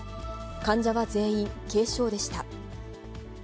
患者は全員軽症でした。